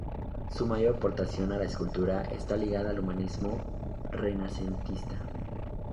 Su mayor aportación a la escultura está ligada al humanismo renacentista.